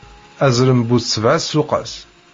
Azrem bu sebɛa tsuqqas.